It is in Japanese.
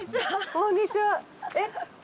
こんにちは。